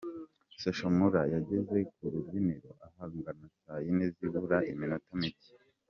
Social Mula yageze ku rubyiniro ahagana saa yine zibura iminota mike.